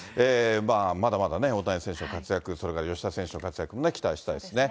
まだまだね、大谷選手の活躍、それから吉田選手の活躍も期待したいですね。